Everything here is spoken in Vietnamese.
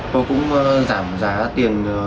tôi cũng giảm giá tiền